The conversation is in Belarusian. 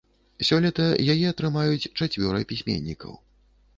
Сёлета яе атрымаюць чацвёра пісьменнікаў.